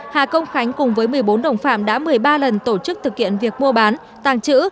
hà công khánh cùng với một mươi bốn đồng phạm đã một mươi ba lần tổ chức thực hiện việc mua bán tàng trữ